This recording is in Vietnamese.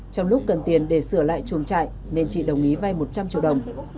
trong lúc cần tiền để sửa lại chuồng trại nên chị đồng ý vay một trăm linh triệu đồng